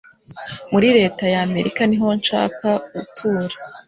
Muri Leta ya Amerika niho nshaka gutura